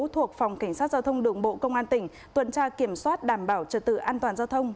thuộc phòng cảnh sát giao thông đường bộ công an tỉnh tuần tra kiểm soát đảm bảo trật tự an toàn giao thông